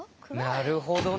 なるほどね。